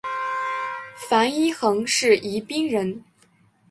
樊一蘅是宜宾人。